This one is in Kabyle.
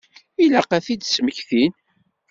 Ilaq ad t-id-smektin.